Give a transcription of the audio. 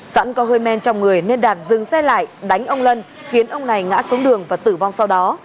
sẵn có hơi men trong người nên đạt dừng xe lại đánh ông lân khiến ông này ngã xuống đường và tử vong sau đó